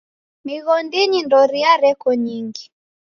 Mighondinyi ndoria reko nyingi.